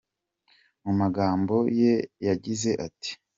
Mu magambo ye yagize ati “.